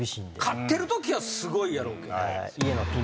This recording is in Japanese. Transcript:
勝ってるときはすごいやろうけど。